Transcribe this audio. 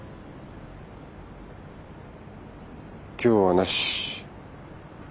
今日はなし。